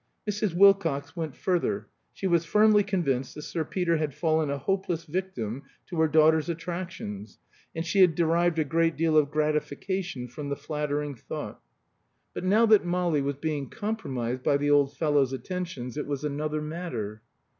Mrs. Wilcox went further: she was firmly convinced that Sir Peter had fallen a hopeless victim to her daughter's attractions, and she had derived a great deal of gratification from the flattering thought. But now that Molly was being compromised by the old fellow's attentions, it was another matter.